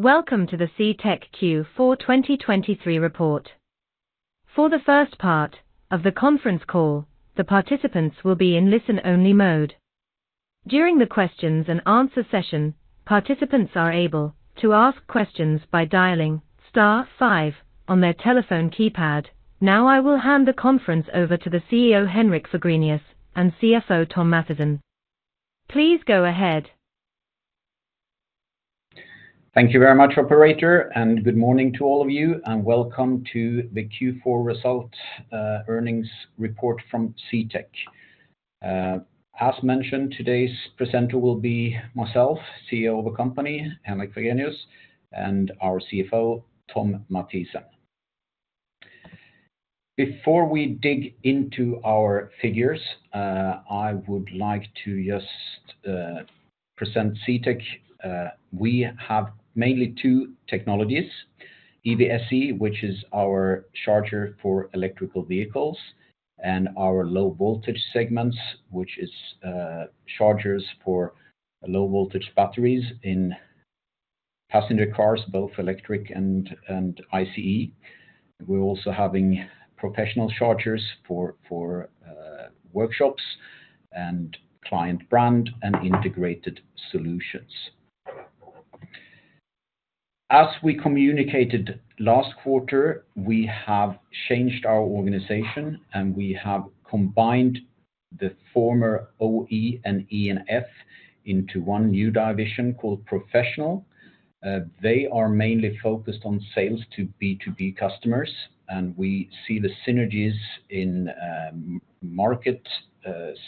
Welcome to the CTEK Q4 2023 report. For the first part of the conference call, the participants will be in listen-only mode. During the questions and answer session, participants are able to ask questions by dialing star five on their telephone keypad. Now, I will hand the conference over to the CEO, Henrik Fagrenius, and CFO, Thom Mathisen. Please go ahead. Thank you very much, operator, and good morning to all of you, and welcome to the Q4 result, earnings report from CTEK. As mentioned, today's presenter will be myself, CEO of the company, Henrik Fagrenius, and our CFO, Thom Mathisen. Before we dig into our figures, I would like to just present CTEK. We have mainly two technologies, EVSE, which is our charger for electric vehicles, and our low-voltage segments, which is chargers for low-voltage batteries in passenger cars, both electric and ICE. We're also having professional chargers for workshops and client brand and integrated solutions. As we communicated last quarter, we have changed our organization, and we have combined the former OE and E&F into one new division called Professional. They are mainly focused on sales to B2B customers, and we see the synergies in market,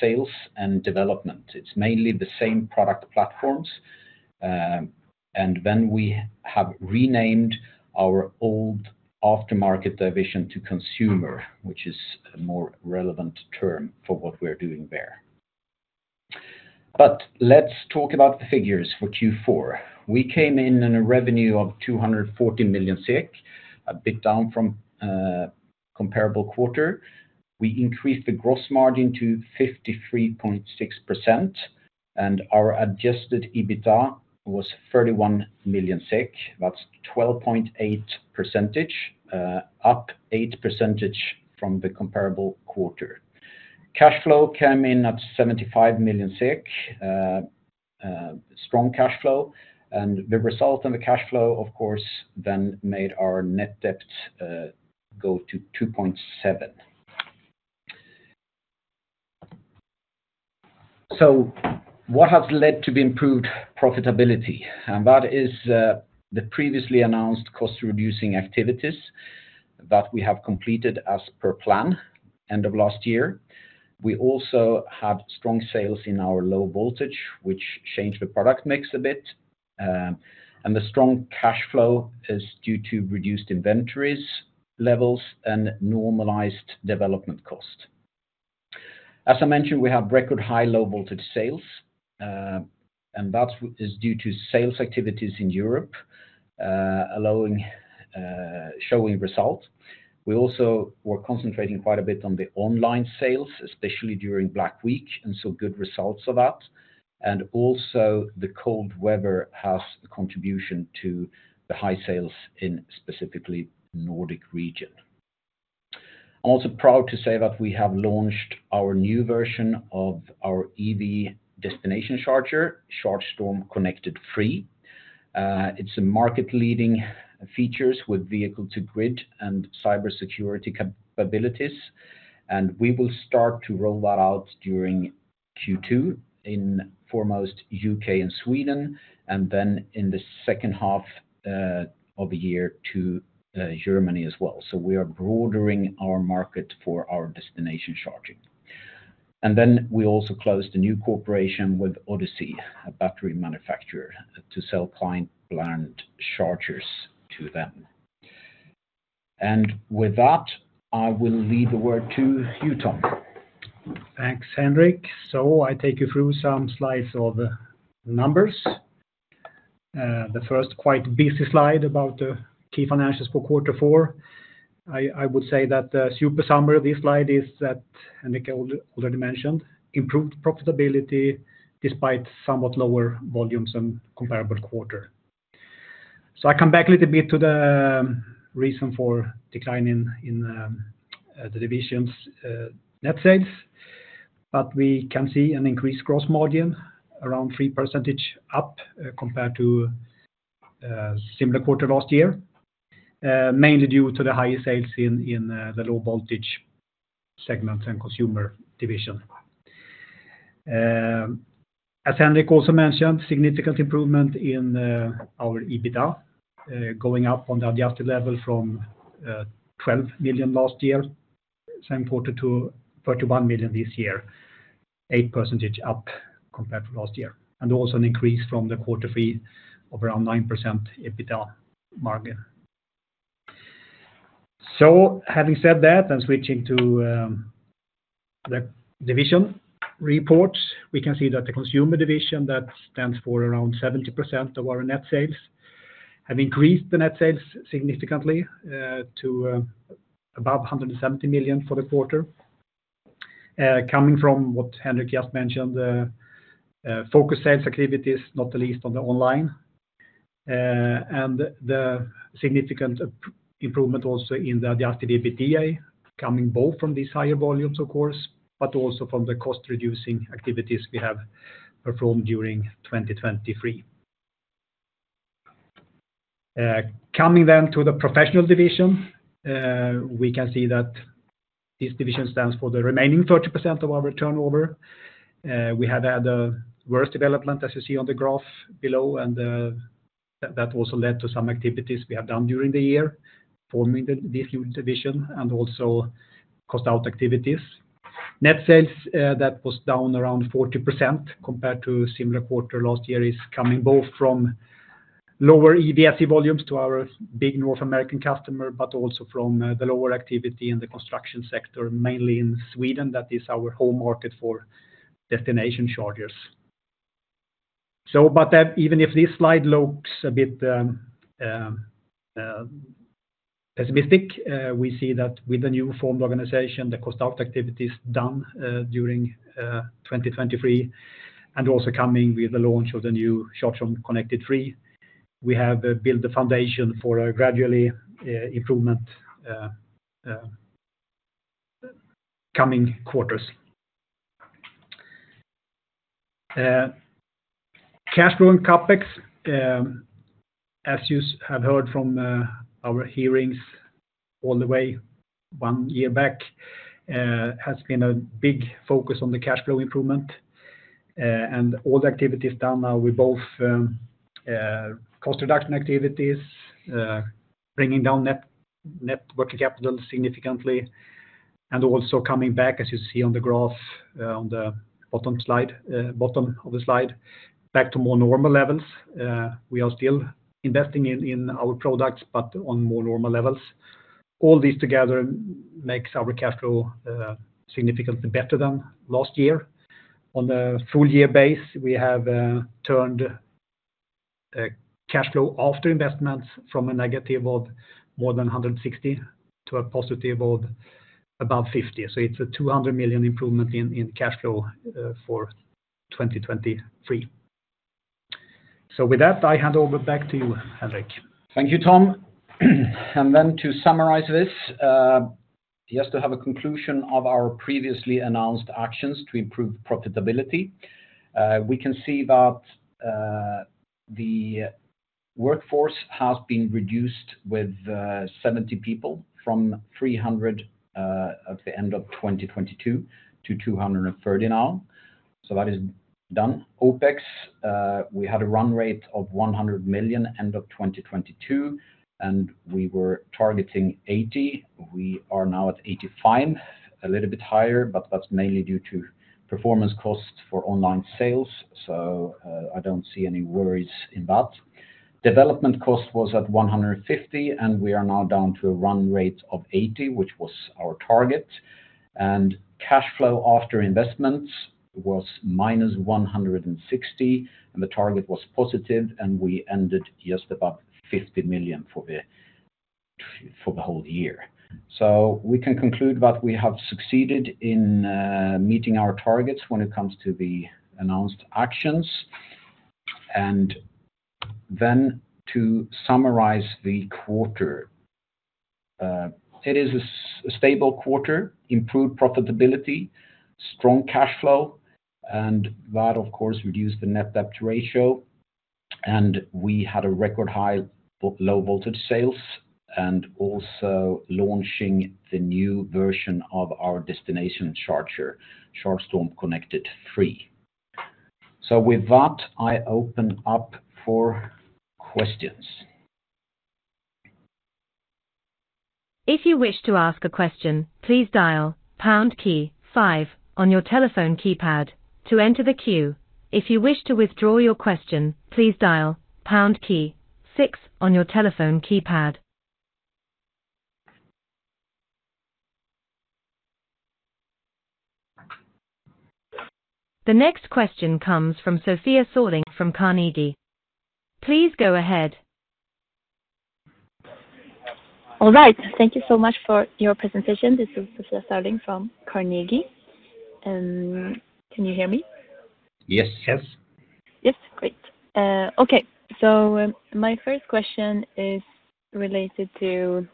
sales, and development. It's mainly the same product platforms, and then we have renamed our old aftermarket division to Consumer, which is a more relevant term for what we're doing there. But let's talk about the figures for Q4. We came in on a revenue of 240 million, a bit down from a comparable quarter. We increased the gross margin to 53.6%, and our adjusted EBITDA was 31 million SEK. That's 12.8%, up 8% from the comparable quarter. Cash flow came in at 75 million SEK, strong cash flow, and the result on the cash flow, of course, then made our net debt go to 2.7. So what has led to the improved profitability? And that is, the previously announced cost-reducing activities that we have completed as per plan, end of last year. We also have strong sales in our low voltage, which changed the product mix a bit, and the strong cash flow is due to reduced inventories, levels, and normalized development cost. As I mentioned, we have record high low-voltage sales, and that is due to sales activities in Europe, allowing, showing results. We also were concentrating quite a bit on the online sales, especially during Black Week, and so good results of that. And also, the cold weather has a contribution to the high sales in specifically Nordic region. I'm also proud to say that we have launched our new version of our EV destination charger, ChargeStorm Connected 3. It's a market-leading features with vehicle-to-grid and cybersecurity capabilities, and we will start to roll that out during Q2 in foremost U.K. and Sweden, and then in the second half of the year to Germany as well. So we are broadening our market for our destination charging. And then we also closed a new cooperation with Odyssey, a battery manufacturer, to sell client brand chargers to them. And with that, I will leave the word to you, Thom. Thanks, Henrik. So I take you through some slides of the numbers. The first quite busy slide about the key financials for quarter four. I would say that the super summary of this slide is that Henrik already mentioned, improved profitability, despite somewhat lower volumes than comparable quarter. So I come back a little bit to the reason for declining in the divisions net sales, but we can see an increased gross margin, around 3% up, compared to similar quarter last year. Mainly due to the higher sales in the low-voltage segment and consumer division. As Henrik also mentioned, significant improvement in our EBITDA, going up on the adjusted level from 12 million last year, same quarter to 31 million this year, 8% up compared to last year, and also an increase from the quarter three of around 9% EBITDA margin. So having said that, I'm switching to the division reports. We can see that the consumer division, that stands for around 70% of our net sales, have increased the net sales significantly to above 170 million for the quarter, coming from what Henrik just mentioned, focus sales activities, not the least on the online. And the significant improvement also in the adjusted EBITDA, coming both from these higher volumes, of course, but also from the cost-reducing activities we have performed during 2023. Coming then to the professional division, we can see that this division stands for the remaining 30% of our turnover. We have had a worse development, as you see on the graph below, and that also led to some activities we have done during the year, forming this new division and also cost out activities. Net sales that was down around 40% compared to similar quarter last year, is coming both from lower EVSE volumes to our big North American customer, but also from the lower activity in the construction sector, mainly in Sweden, that is our home market for destination chargers. So but that, even if this slide looks a bit, pessimistic, we see that with the new formed organization, the cost out activities done, during 2023, and also coming with the launch of the new ChargeStorm Connected 3, we have built the foundation for a gradual improvement, coming quarters. Cash flow and CapEx, as you have heard from our hearings all the way one year back, has been a big focus on the cash flow improvement, and all the activities done are with both, cost reduction activities, bringing down net working capital significantly, and also coming back, as you see on the graph, on the bottom slide, bottom of the slide, back to more normal levels. We are still investing in our products, but on more normal levels. All these together makes our cash flow significantly better than last year. On a full year base, we have turned cash flow after investments from a negative of more than 160 million to a positive of about 50 million. So it's a 200 million improvement in cash flow for 2023. So with that, I hand over back to you, Henrik. Thank you, Tom. Then to summarize this, just to have a conclusion of our previously announced actions to improve profitability, we can see that the workforce has been reduced with 70 people from 300 at the end of 2022 to 230 now. So that is done. OpEx, we had a run rate of 100 million end of 2022, and we were targeting 80 million. We are now at 85 million, a little bit higher, but that's mainly due to performance costs for online sales, so I don't see any worries in that. Development cost was at 150, and we are now down to a run rate of 80, which was our target, and cash flow after investments was minus 160, and the target was positive, and we ended just about 50 million for the, for the whole year. So we can conclude that we have succeeded in meeting our targets when it comes to the announced actions. And then to summarize the quarter. It is a stable quarter, improved profitability, strong cash flow, and that, of course, reduced the net debt ratio, and we had a record high for low-voltage sales, and also launching the new version of our destination charger, Chargestorm Connected 3. So with that, I open up for questions. If you wish to ask a question, please dial pound key five on your telephone keypad to enter the queue. If you wish to withdraw your question, please dial pound key six on your telephone keypad. The next question comes from Sofia Sörling from Carnegie. Please go ahead. All right. Thank you so much for your presentation. This is Sofia Sörling from Carnegie. Can you hear me? Yes. Yes. Yes. Great. Okay, so, my first question is related to,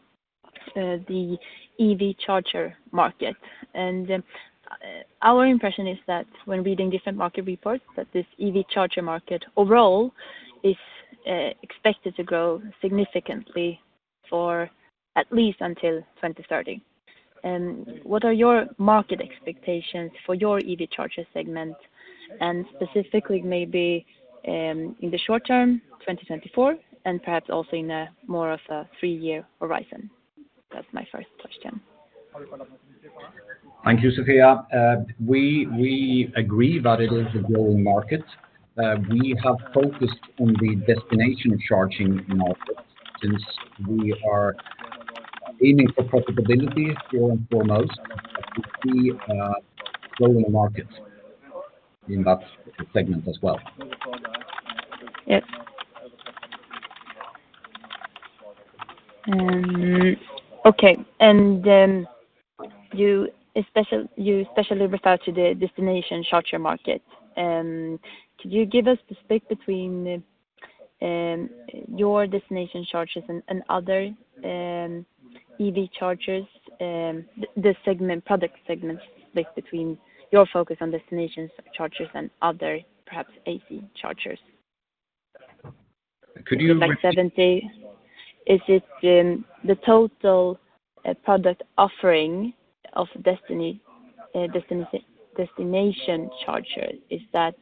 the EV charger market. Our impression is that when reading different market reports, that this EV charger market overall is, expected to grow significantly for at least until 2030. What are your market expectations for your EV charger segment, and specifically maybe, in the short term, 2024, and perhaps also in a more of a three-year horizon? That's my first question. Thank you, Sofia. We agree that it is a growing market. We have focused on the destination charging market since we are aiming for profitability, foremost, as we see a growing market in that segment as well. Yes. Okay, and, you especially refer to the destination charger market. Could you give us the split between your destination chargers and other EV chargers, the segment, product segments split between your focus on destination chargers and other, perhaps, AC chargers? Could you- Like 70, is it the total product offering of destination charger? Is that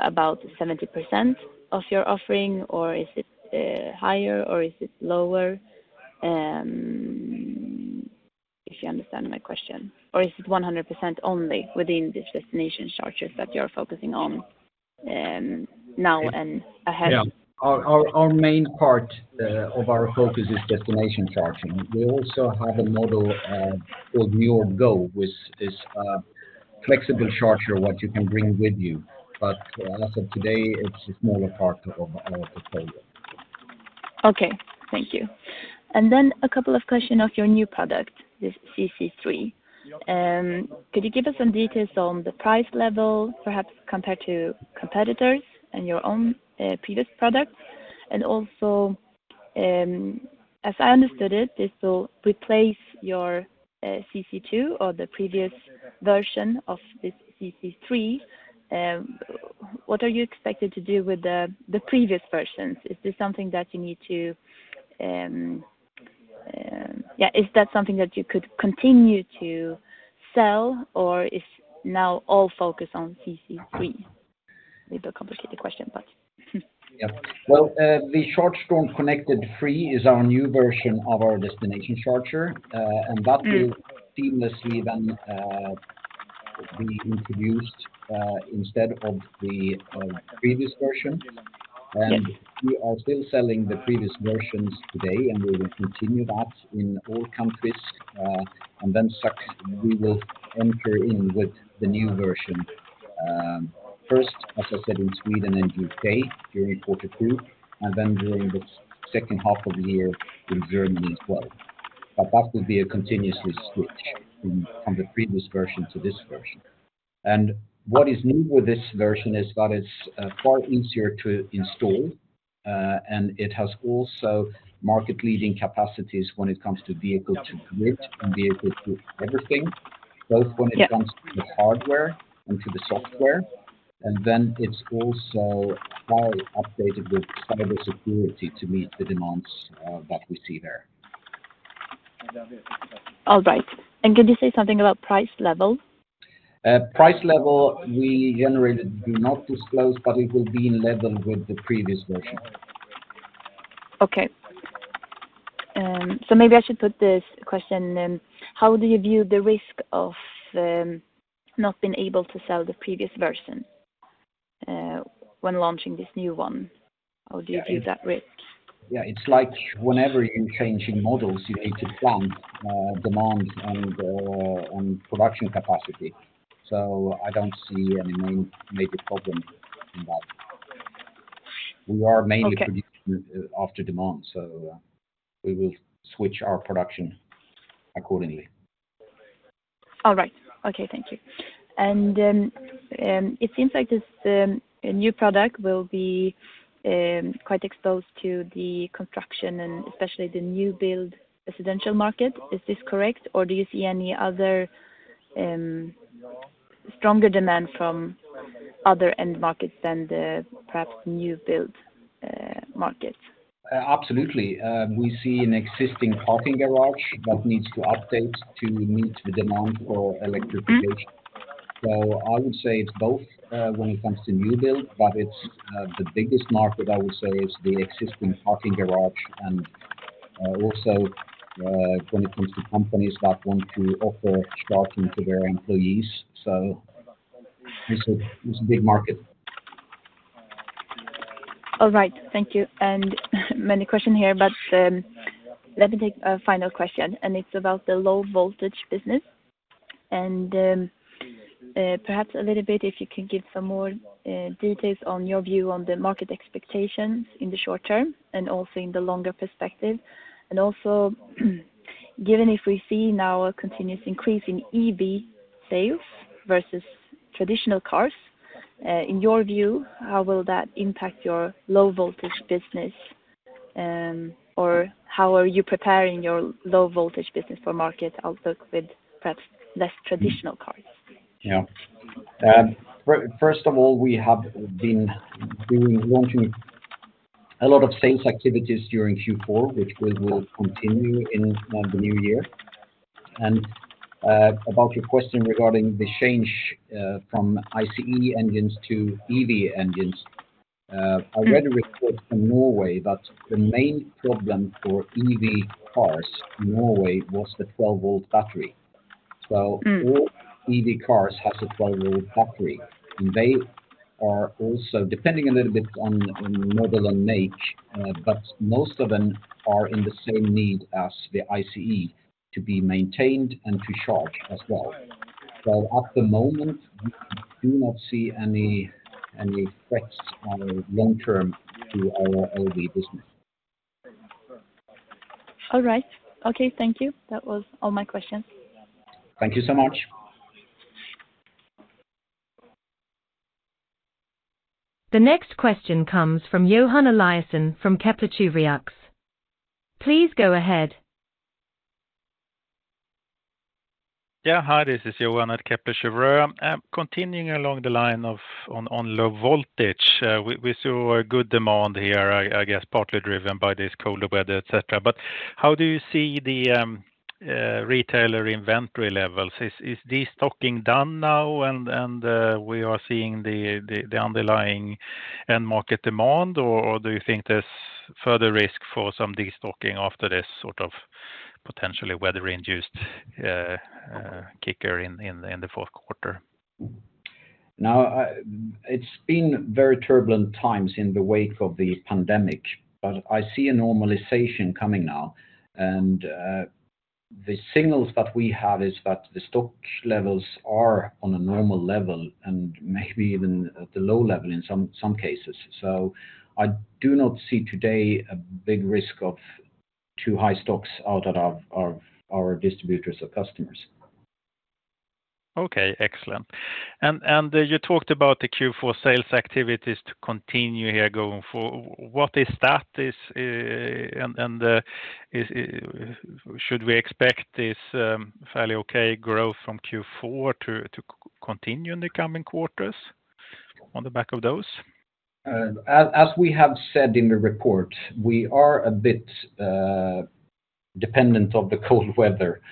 about 70% of your offering, or is it higher, or is it lower? If you understand my question, or is it 100% only within this destination chargers that you're focusing on now and ahead? Yeah. Our main part of our focus is destination charging. We also have a model called NJORD GO, which is flexible charger, what you can bring with you. But as of today, it's a smaller part of our portfolio. Okay, thank you. And then a couple of question of your new product, this CC3. Could you give us some details on the price level, perhaps compared to competitors and your own previous products? And also, as I understood it, this will replace your CC2 or the previous version of this CC3. What are you expected to do with the previous versions? Is that something that you could continue to sell, or is now all focus on CC3? A little complicated question, but, Yeah. Well, the Chargestorm Connected 3 is our new version of our destination charger, Mm-hmm. That will seamlessly then be introduced instead of the previous version. Yeah. And we are still selling the previous versions today, and we will continue that in all countries, and then such, we will enter in with the new version. First, as I said, in Sweden and U.K., during quarter two, and then during the second half of the year in Germany as well. But that will be a continuously switch from the previous version to this version. And what is new with this version is that it's far easier to install, and it has also market-leading capacities when it comes to vehicle to grid and vehicle to everything- Yeah. both when it comes to the hardware and to the software, and then it's also well updated with cybersecurity to meet the demands that we see there. All right. Could you say something about price level? Price level, we generally do not disclose, but it will be in level with the previous version. Okay. So maybe I should put this question: How do you view the risk of not being able to sell the previous version when launching this new one? Yeah. How do you view that risk? Yeah, it's like whenever you're changing models, you need to plan demand on the production capacity. So I don't see any main major problem in that. Okay. We are mainly predicting after demand, so we will switch our production accordingly. All right. Okay, thank you. And, it seems like this new product will be quite exposed to the construction and especially the new build residential market. Is this correct, or do you see any other stronger demand from other end markets than the perhaps new build markets? Absolutely. We see an existing parking garage that needs to update to meet the demand for electrification. Mm-hmm. So I would say it's both, when it comes to new build, but it's the biggest market, I would say, is the existing parking garage and also, when it comes to companies that want to offer charging to their employees, so this is, it's a big market. All right, thank you. And many questions here, but, let me take a final question, and it's about the low-voltage business. And, perhaps a little bit, if you could give some more details on your view on the market expectations in the short term and also in the longer perspective, and also, given if we see now a continuous increase in EV sales versus traditional cars, in your view, how will that impact your low-voltage business, or how are you preparing your low-voltage business for market outlook with perhaps less traditional cars? Yeah. First of all, we have been doing launching a lot of sales activities during Q4, which we will continue in the new year. About your question regarding the change from ICE engines to EV engines. Mm-hmm. I read a report from Norway that the main problem for EV cars in Norway was the 12-volt battery. Mm. So all EV cars has a 12-volt battery, and they are also depending a little bit on model and make, but most of them are in the same need as the ICE to be maintained and to charge as well. So at the moment, we do not see any threats on a long term to our LV business. All right. Okay, thank you. That was all my questions. Thank you so much. The next question comes from Johan Eliason from Kepler Cheuvreux. Please go ahead. Yeah. Hi, this is Johan at Kepler Cheuvreux. Continuing along the line of, on low voltage, we saw a good demand here, I guess, partly driven by this colder weather, et cetera. But how do you see the retailer inventory levels? Is this talking done now, and we are seeing the underlying end market demand, or do you think there's further risk for some de-stocking after this sort of potentially weather-induced kicker in the fourth quarter? Now, it's been very turbulent times in the wake of the pandemic, but I see a normalization coming now. And, the signals that we have is that the stock levels are on a normal level, and maybe even at the low level in some, some cases. So I do not see today a big risk of too high stocks out of our, our, our distributors or customers. Okay, excellent. You talked about the Q4 sales activities to continue here going forward. What is that? Should we expect this fairly okay growth from Q4 to continue in the coming quarters on the back of those? As we have said in the report, we are a bit dependent on the cold weather,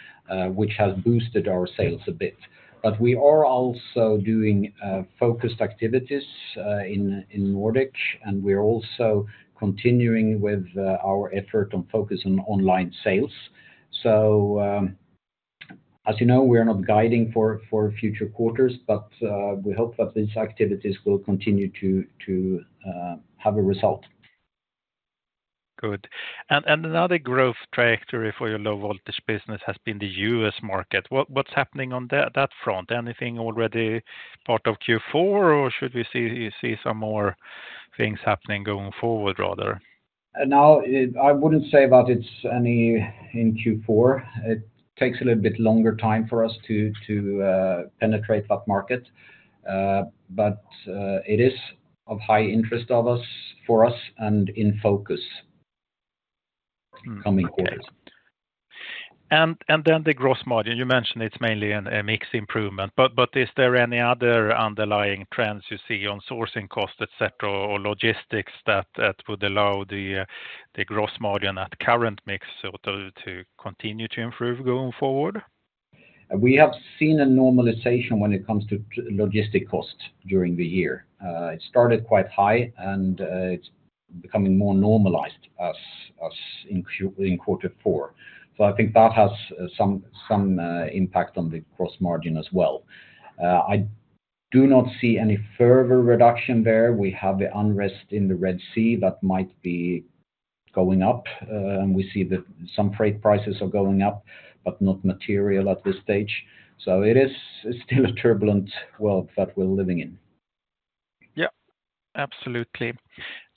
which has boosted our sales a bit. But we are also doing focused activities in Nordic, and we are also continuing with our effort on focus on online sales. So, as you know, we are not guiding for future quarters, but we hope that these activities will continue to have a result. Good. And another growth trajectory for your low voltage business has been the U.S. market. What's happening on that front? Anything already part of Q4, or should we see some more things happening going forward, rather? Now, I wouldn't say that it's any in Q4. It takes a little bit longer time for us to penetrate that market. But it is of high interest of us, for us, and in focus coming quarters. Okay. And then the gross margin, you mentioned it's mainly a mix improvement, but is there any other underlying trends you see on sourcing costs, et cetera, or logistics that would allow the gross margin at current mix to continue to improve going forward? We have seen a normalization when it comes to logistic costs during the year. It started quite high, and it's becoming more normalized as in quarter four. So I think that has some impact on the gross margin as well. I do not see any further reduction there. We have the unrest in the Red Sea that might be going up, and we see that some freight prices are going up, but not material at this stage. So it is still a turbulent world that we're living in. Yeah, absolutely.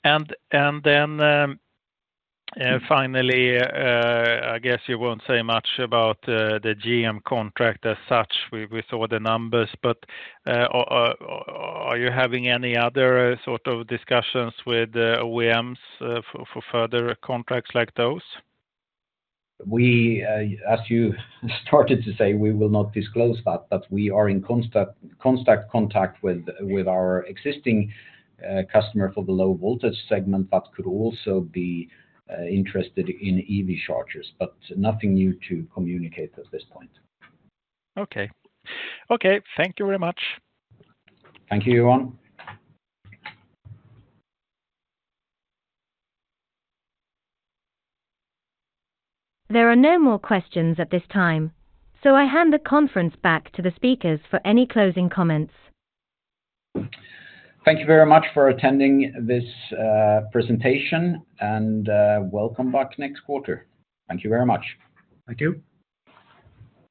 And then, finally, I guess you won't say much about the GM contract as such. We saw the numbers, but are you having any other sort of discussions with OEMs for further contracts like those? We, as you started to say, we will not disclose that, but we are in contact with our existing customer for the low voltage segment that could also be interested in EV chargers, but nothing new to communicate at this point. Okay. Okay, thank you very much. Thank you, Johan. There are no more questions at this time, so I hand the conference back to the speakers for any closing comments. Thank you very much for attending this presentation, and welcome back next quarter. Thank you very much. Thank you.